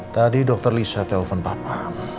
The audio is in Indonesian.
tadi dokter lisa telepon papa